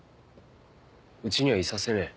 うちにはいさせねえ。